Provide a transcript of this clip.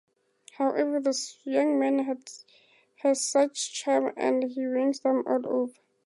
However the young man has such charm that he wins them all over.